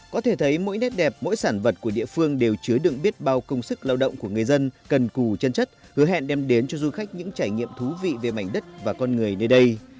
có thể thấy mỗi nét đẹp mỗi sản vật của địa phương đều chứa đựng biết bao công sức lao động của người dân cần cù chân chất hứa hẹn đem đến cho du khách những trải nghiệm thú vị về mảnh đất và con người nơi đây